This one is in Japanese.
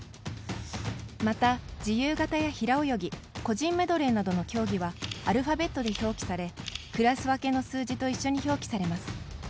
また、自由形や平泳ぎ個人メドレーなどの競技はアルファベットで表記されクラス分けの数字と一緒に表記されます。